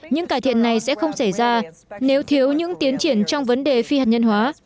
những cải thiện này sẽ không xảy ra nếu thiếu những tiến triển trong vấn đề phi hạt nhân hóa